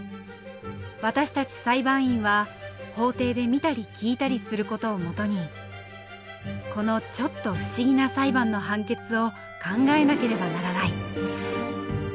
私たち裁判員は法廷で見たり聞いたりする事を基にこのちょっと不思議な裁判の判決を考えなければならない。